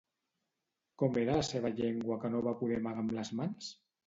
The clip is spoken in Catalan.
Com era la seva llengua que no va poder amagar amb les mans?